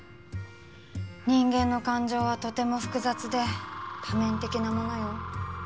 人間の感情はとても複雑で多面的なものよ。